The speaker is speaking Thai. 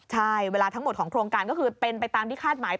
ใช่เวลาทั้งหมดของโครงการก็คือเป็นไปตามที่คาดหมาย